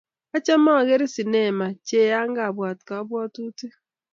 Achome agare sinema cheyaya abwat kabwatutik